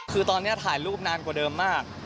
คือตอนนี้ถ่ายรูปนานกว่าเดิมมาก